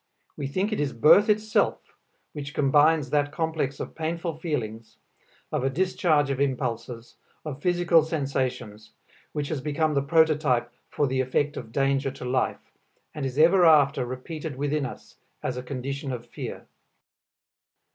We think it is birth itself which combines that complex of painful feelings, of a discharge of impulses, of physical sensations, which has become the prototype for the effect of danger to life, and is ever after repeated within us as a condition of fear.